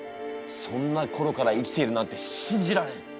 そんなころから生きているなんて信じられん。